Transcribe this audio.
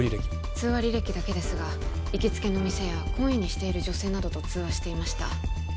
通話履歴だけですが行きつけの店や懇意にしている女性などと通話していました